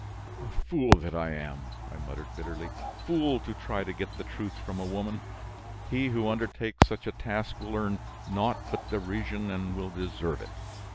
"Fool that I am!" I muttered bitterly, "fool to try to get the truth from a woman! He who undertakes such a task will earn naught but derision and will deserve it!